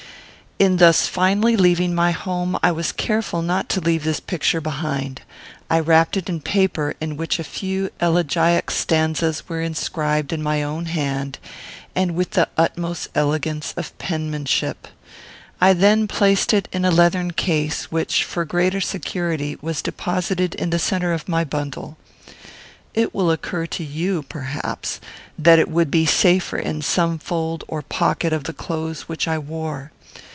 In thus finally leaving my home, I was careful not to leave this picture behind. I wrapped it in paper in which a few elegiac stanzas were inscribed in my own hand, and with my utmost elegance of penmanship. I then placed it in a leathern case, which, for greater security, was deposited in the centre of my bundle. It will occur to you, perhaps, that it would be safer in some fold or pocket of the clothes which I wore.